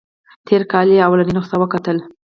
تېر کال یې لومړنۍ نسخه وکتله.